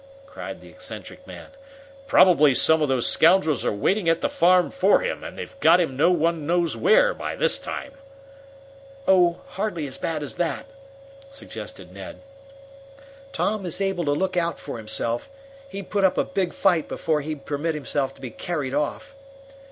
cried the eccentric man. "Probably some of those scoundrels were waiting at the farm for him, and they've got him no one knows where by this time!" "Oh, hardly as bad as that," suggested Ned. "Tom is able to look out for himself. He'd put up a big fight before he'd permit himself to be carried off."